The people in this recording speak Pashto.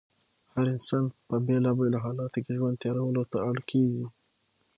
هر انسان په بېلا بېلو حالاتو کې ژوند تېرولو ته اړ کېږي.